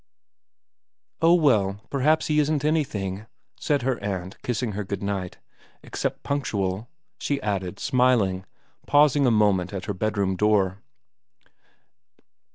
' Oh well, perhaps he isn't anything,' said her aunt kissing her good night. ' Except punctual,' she added, smiling, pausing a moment at her bedroom door.